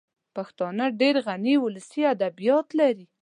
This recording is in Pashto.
پښتانه ډېر غني ولسي ادبیات لري